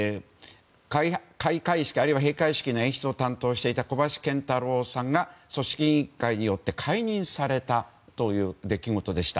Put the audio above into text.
開会式、あるいは閉会式の演出を担当していた小林賢太郎さんが組織委員会によって解任されたという出来事でした。